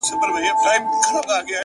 سهاد معلوم سو په لاسونو کي گړۍ نه غواړم _